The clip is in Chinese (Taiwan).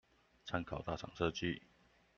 參考大廠設計